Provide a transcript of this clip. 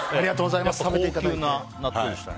高級な納豆でしたね。